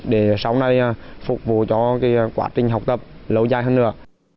để sau này phục vụ cho quá trình học tập lâu dài hơn nữa